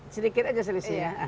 sedikit aja selisihnya